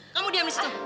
kamu diam disitu